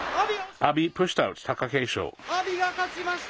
阿炎が勝ちました。